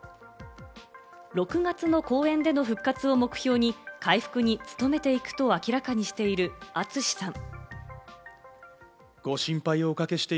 ６月の公演での復活を目標に回復に努めていくと明らかにしているＡＴＳＵＳＨＩさん。